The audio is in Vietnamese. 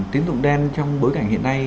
tín tụng đen trong bối cảnh hiện nay